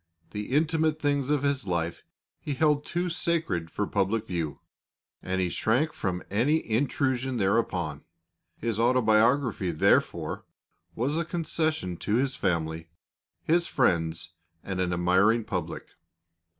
The intimate things of his life he held too sacred for public view, and he shrank from any intrusion thereupon. His autobiography, therefore, was a concession to his family, his friends, and an admiring public.